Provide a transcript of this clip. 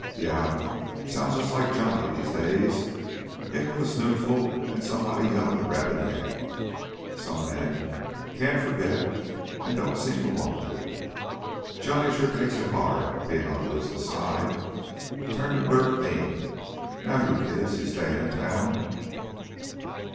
"Yeah, sounds jus' like Johnny these days. Him with a snootful an' somebody yellin' Reb and Yank. Some men can't forgit an' don't seem to want to. Johnny sure takes it hard bein' on th' losin' side—turned him dirt mean. Now, you kids, you stayin' in town?"